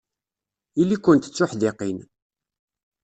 Ili-kent d tuḥdiqin.